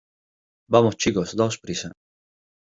¡ vamos, chicos! ¡ daos prisa !